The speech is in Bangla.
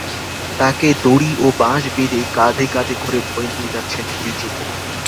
তাকে দড়ি ও বাঁশ বেঁধে কাঁধে করে বয়ে নিয়ে যাচ্ছেন দুই যুবক।